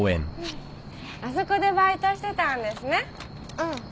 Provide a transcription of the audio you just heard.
うん。